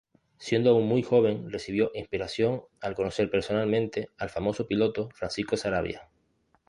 Siendo aun muy joven, recibió inspiración al conocer personalmente al famoso piloto Francisco Sarabia.